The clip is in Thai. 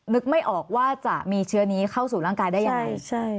นึกไม่ออกว่าจะมีเชื้อนี้เข้าสู่ร่างกายได้ยังไง